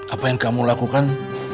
apa yang kamu lakukan